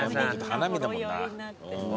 花見だもんな。